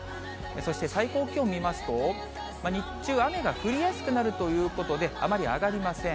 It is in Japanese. そして最高気温見ますと、日中、雨が降りやすくなるということで、あまり上がりません。